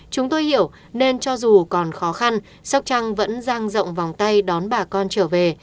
chúng tôi hiểu nên cho dù còn khó khăn sóc trăng vẫn giang rộng vòng tay đón bà con trở về